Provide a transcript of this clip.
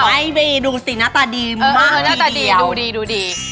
ไม่มีดูสิหน้าตาดีมากเลยอีกแล้วเออหน้าตาดีดูดี